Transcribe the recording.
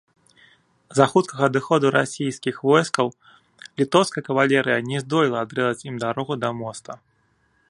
З-за хуткага адыходу расійскіх войскаў літоўская кавалерыя не здолела адрэзаць ім дарогу да моста.